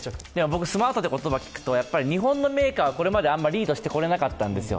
僕スマートって言葉聞くと、日本のメーカー、あまりリードしてこれなかったんですよ。